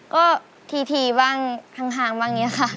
ก็ทีบ้างห่างบ้างเนี่ยค่ะ